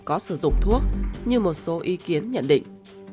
có sử dụng thuốc như một số ý kiến nhận định